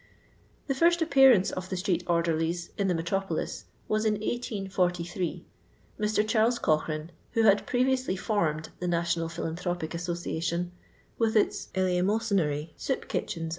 The first appearance of the streetH>rderlies in the metropolis was in 1848. Mr. Charles Cochrane, who had previously formed the National Phi lanthropic Association, with its eleemosynary soup kitchens, &c.